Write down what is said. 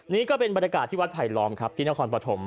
นี่ก็เป็นบรรยากาศที่วัดไผลล้อมครับที่นครปฐม